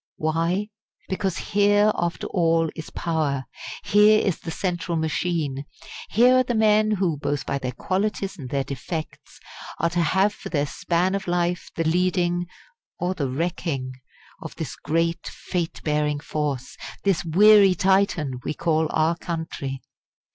Why? Because here after all is power here is the central machine. Here are the men who, both by their qualities and their defects, are to have for their span of life the leading or the wrecking? of this great fate bearing force, this "weary Titan" we call our country.